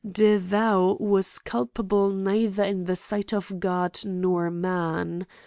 De Thou was culpable neither in the sight of God nor man.